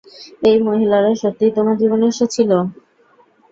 এই মহিলারা সত্যিই তোমার জীবনে এসেছিল?